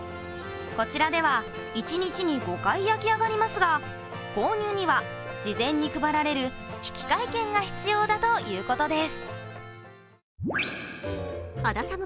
こちらでは一日に５回、焼き上がりますが購入には事前に配られる引換券が必要だということです。